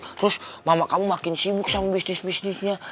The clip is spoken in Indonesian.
terus mama kamu makin sibuk sama bisnis bisnisnya